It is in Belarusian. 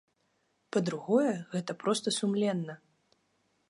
Па-другое, гэта проста сумленна.